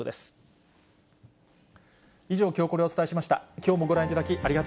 きょうもご覧いただき、ありがと